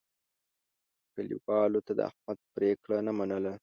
کلیوالو د احمد پرېکړه نه منله.